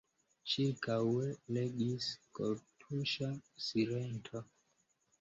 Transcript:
Ĉirkaŭe regis kortuŝa silento.